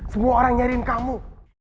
semua orang nyariin kamu